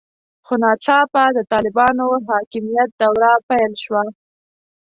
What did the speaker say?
خو ناڅاپه د طالبانو حاکمیت دوره پیل شوه.